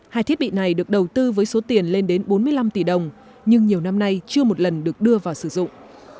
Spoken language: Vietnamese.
hai thiết bị này được đầu tư với số tiền lên đến bốn mươi năm tỷ đồng nhưng nhiều năm nay chưa một lần được đưa vào sử dụng